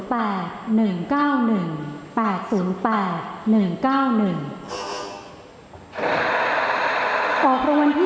อพที่๔ครั้งที่๔